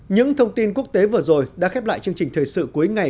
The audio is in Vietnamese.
những thông tin quốc tế vừa rồi đã khép lại chương trình thời sự cuối ngày